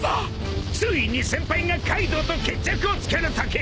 ［ついに先輩がカイドウと決着をつけるとき］